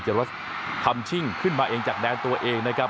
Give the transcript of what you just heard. ทำชิ่งขึ้นมาเองจากแดนตัวเองนะครับ